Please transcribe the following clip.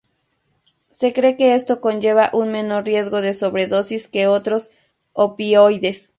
Se cree que esto conlleva un menor riesgo de sobredosis que otros opioides.